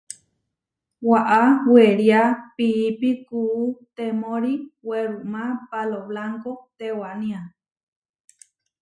Waʼá weriá piípi kuú temóri werumá Pálo Blánko tewaniá.